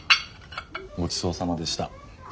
ごちそうさまでした。